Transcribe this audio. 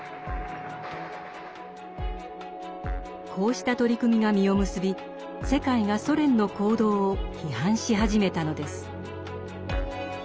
こうした取り組みが実を結び世界がソ連の行動を批判し始めたのです。